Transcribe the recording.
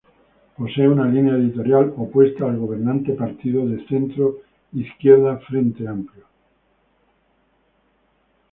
Posee una línea editorial opuesta al gobernante partido de centro izquierda Frente Amplio.